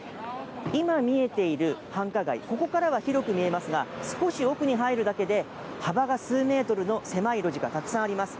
今、見えている繁華街、ここからは広く見えますが、少し奥に入るだけで、幅が数メートルの狭い路地がたくさんあります。